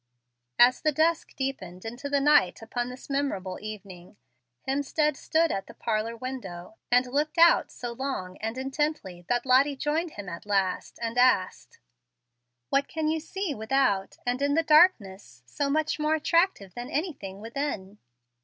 As the dusk deepened into night upon this memorable evening, Hemstead stood at the parlor window, and looked out so long and intently that Lottie joined him at last, and asked, "What can you see without, and in the darkness, so much more attractive than anything within?"